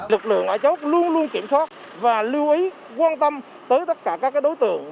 lực lượng ở chỗ luôn luôn kiểm soát và lưu ý quan tâm tới tất cả các đối tượng